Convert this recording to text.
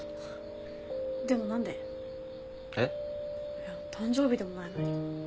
いや誕生日でもないのに。